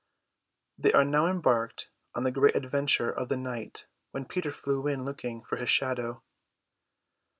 They are now embarked on the great adventure of the night when Peter flew in looking for his shadow.